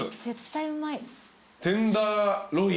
絶対うまい。